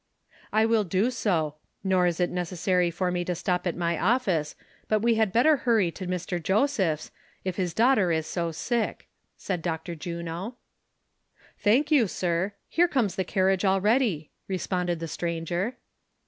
" I Avill do so ; nor is it necessary for me to stop at my THE CONSPIRATORS AND LOVERS. 65 office, but we had better hurry to Mr. Josephs', if his daughter is so sick," said Dr. Juno. "Thank you, sir; here comes the carriage already," responded the stranger.